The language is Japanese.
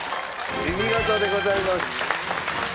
お見事でございます。